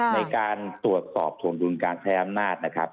ในการตรวจสอบถวงดุลการใช้อำนาจนะครับ